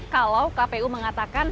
kalau kpu mengatakan